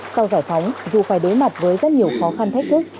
sau giải phóng dù phải đối mặt với rất nhiều khó khăn thách thức